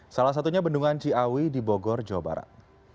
salah satunya bendungan ciawi di bogor jawa barat